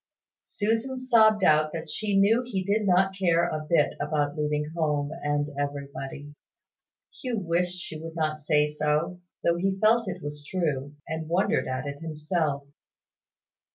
Susan sobbed out that she knew he did not care a bit about leaving home and everybody. Hugh wished she would not say so, though he felt it was true, and wondered at it himself.